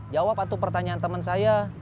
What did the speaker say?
jawab atu pertanyaan temen saya